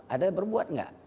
ada berbuat nggak